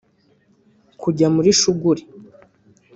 kujya muli Shuguri